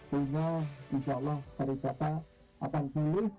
sehingga insya allah pariwisata akan pulih